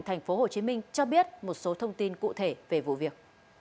tp hcm cho biết một số thông tin cụ thể về vụ việc